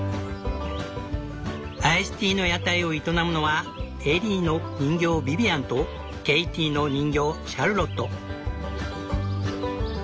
アイスティーの屋台を営むのはエリーの人形ビビアンとケイティの人形シャルロット。